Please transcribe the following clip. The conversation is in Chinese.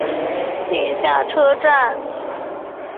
地下车站。